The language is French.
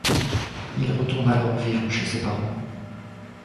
Il retourne alors vivre chez ses parents.